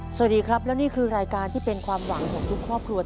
สวัสดีครับและนี่คือรายการที่เป็นความหวังของทุกครอบครัว